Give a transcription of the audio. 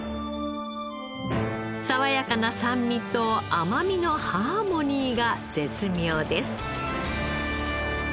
爽やかな酸味と甘みのハーモニーが絶妙です。